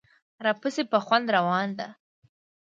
راپسې په خوند روانه ده.